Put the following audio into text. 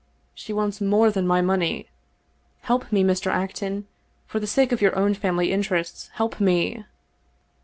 She wants more than my money. Help me, Mr. Acton ! For the sake of your own family interests, help me